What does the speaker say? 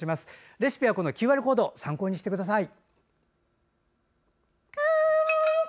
レシピはＱＲコードを参考にしてください。